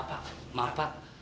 pak maaf pak